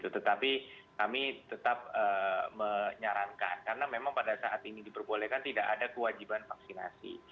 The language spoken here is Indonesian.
tetapi kami tetap menyarankan karena memang pada saat ini diperbolehkan tidak ada kewajiban vaksinasi